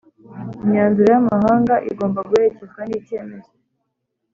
imyanzuro y amahanga igomba guherekezwa n icyemezo